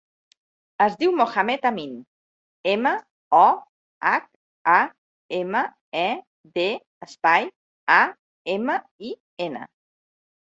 Es diu Mohamed amin: ema, o, hac, a, ema, e, de, espai, a, ema, i, ena.